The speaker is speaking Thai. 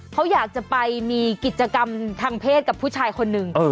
เขาอยากจะไปมีกิจกรรมทางเพศกับผู้ชายคนหนึ่ง